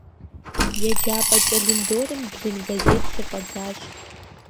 Еджапӏэ кӏэлындорым блын газет щыфӏэдзащ.